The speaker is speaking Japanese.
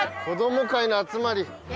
子ども会の集まり。